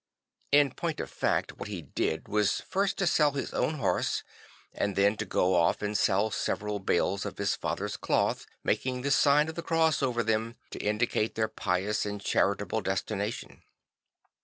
In point of fact what he did was first to sell his own horse and then to go off and sell several bales of his father's cloth, making the sign of the cross over them to indicate their pious and charitable destination.